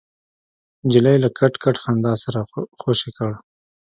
نجلۍ له کټ کټ خندا سره خوشې کړ.